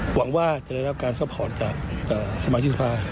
หวังว่าจะได้รับการซัพพอร์ตจากสมาชิกสภา